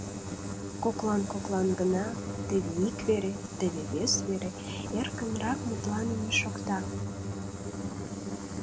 Коклан-коклан гына, теве ик вере, теве вес вере эркынрак мутланыме шокта.